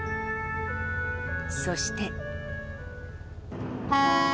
そして。